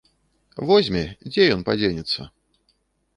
Возьме, дзе ён падзенецца.